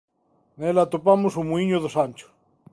Nela atopamos o Muíño do Sancho.